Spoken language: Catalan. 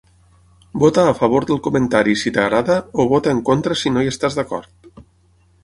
Vota a favor del comentari si t'agrada o vota en contra si no hi estàs d'acord.